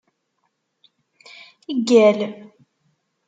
Ggal.